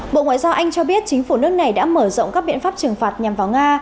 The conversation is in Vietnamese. bộ ngoại giao anh cho biết chính phủ nước này đã mở rộng các biện pháp trừng phạt nhằm vào nga